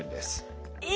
え